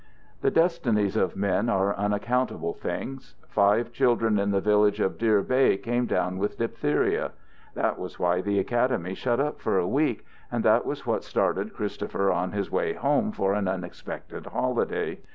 The destinies of men are unaccountable things. Five children in the village of Deer Bay came down with diphtheria. That was why the academy shut up for a week, and that was what started Christopher on his way home for an unexpected holiday.